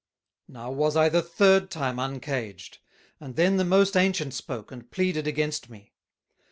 Now was I the third time Un caged; and then the most Ancient spoke, and pleaded against me.